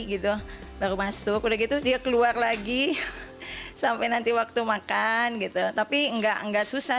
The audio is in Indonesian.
gitu baru masuk udah gitu dia keluar lagi sampai nanti waktu makan gitu tapi enggak enggak susah